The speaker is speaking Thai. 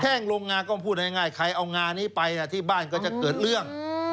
แห้งลงงาก็พูดง่ายใครเอางานี้ไปที่บ้านก็จะเกิดเรื่อง